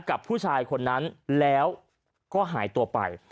กับผู้ชายคนนั้นแล้วก็หายตัวไป